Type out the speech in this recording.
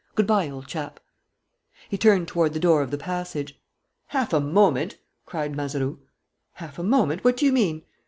Good bye, old chap." He turned toward the door of the passage. "Half a moment!" cried Mazeroux. "Half a moment?... What do you mean?"